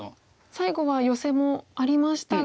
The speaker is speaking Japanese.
最後はヨセもありましたが。